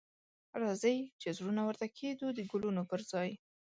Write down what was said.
راځئ چې زړونه ورته کښیږدو د ګلونو پر ځای